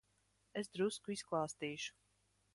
Es drusku izklāstīšu.